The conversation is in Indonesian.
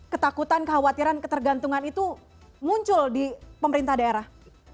ketakutan kekhawatiran ketergantungan itu muncul di pemerintah daerah